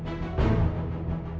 tidak kita harus ke dapur